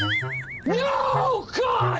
โอ้พระเจ้าเป็นอะไร